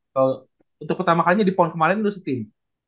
kalo untuk pertama kalinya di pon kemaren lo se team